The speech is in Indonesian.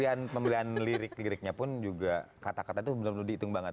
itu pemilihan lirik liriknya pun juga kata kata itu benar benar dihitung banget